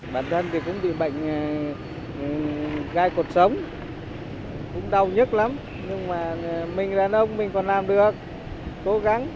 bản thân thì cũng bị bệnh gai cột sống cũng đau nhất lắm nhưng mà mình là nông mình còn làm được cố gắng